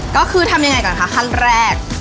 ก็คือทำยังไงก่อนคะขั้นแรก